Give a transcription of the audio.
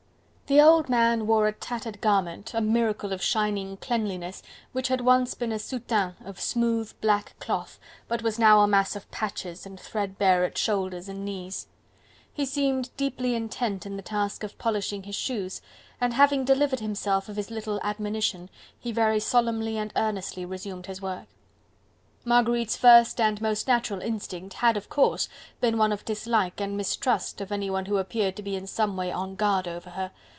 The old man wore a tattered garment, a miracle of shining cleanliness, which had once been a soutane of smooth black cloth, but was now a mass of patches and threadbare at shoulders and knees. He seemed deeply intent in the task of polishing his shoes, and having delivered himself of his little admonition, he very solemnly and earnestly resumed his work. Marguerite's first and most natural instinct had, of course, been one of dislike and mistrust of anyone who appeared to be in some way on guard over her.